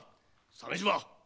鮫島！